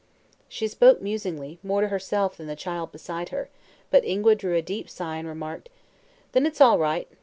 She spoke musingly, more to herself than the child beside her, but Ingua drew a deep sigh and remarked: "Then it's all right.